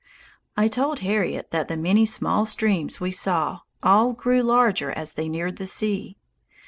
I told Harriet that the many small streams we saw all grew larger as they neared the sea.